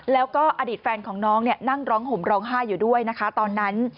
แล้วก็อดีตแฟนของน้องนั่งร้องห่มร้องไห้อยู่ด้วยนะคะตอนนั้น